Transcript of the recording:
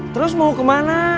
terus mau kemana